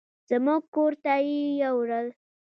زموږ کور ته يې يوړل.